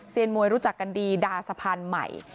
มวยรู้จักกันดีดาสะพานใหม่